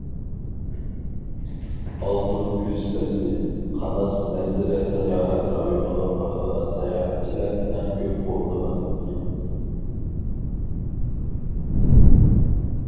ئالتۇن كۈز پەسلى، قاناس مەنزىرە ساياھەت رايونىغا بارىدىغان ساياھەتچىلەر ئەڭ كۆپ بولىدىغان مەزگىل.